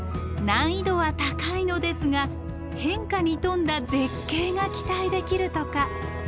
難易度は高いのですが変化に富んだ絶景が期待できるとか。